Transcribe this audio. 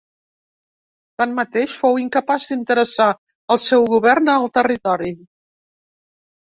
Tanmateix fou incapaç d'interessar el seu govern en el territori.